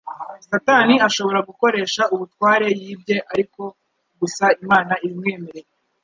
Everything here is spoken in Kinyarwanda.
Satani ashobora gukoresha ubutware yibye ari uko gusa Imana ibimwemereye.